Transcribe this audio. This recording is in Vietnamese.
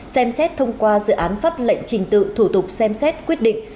xem xét thông qua dự án pháp lệnh trình tự thủ tục xem xét quyết định